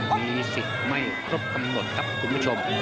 มีสิทธิ์ไม่ครบกำหนดครับคุณผู้ชม